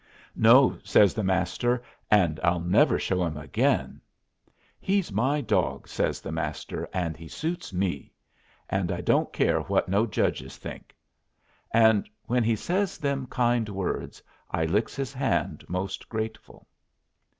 "No," says the Master, "and I'll never show him again. He's my dog," says the Master, "and he suits me! And I don't care what no judges think." And when he says them kind words, I licks his hand most grateful.